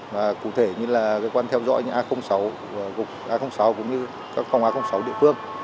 và cụ thể như là cơ quan theo dõi như a sáu a sáu cũng như các phòng a sáu địa phương